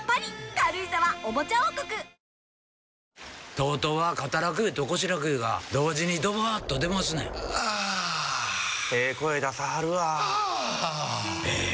ＴＯＴＯは肩楽湯と腰楽湯が同時にドバーッと出ますねんあええ声出さはるわあええ